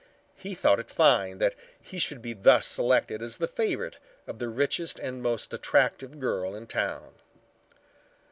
He thought it fine that he should be thus selected as the favorite of the richest and most attractive girl in town.